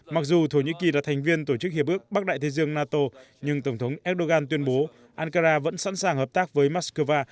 mặc dù thổ nhĩ kỳ là thành viên tổ chức hiệp ước bắc đại thế giương nhưng tổng thống erdogan tuyên bố ankara vẫn sẵn sàng hợp tác với moscow